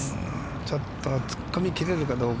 ちょっと突っ込み切れるかどうか。